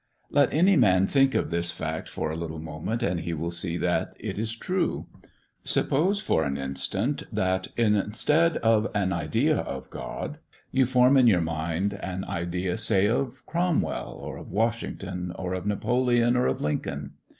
Let any man think of this fact for a little moment and he will see that it is true. Suppose, for an instance, that, instead of an idea of God, you form in your mind an idea, say, of Cromwell, or of Washington, or of Napoleon, or of Lincoln.